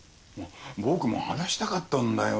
僕も話したかったんだよ。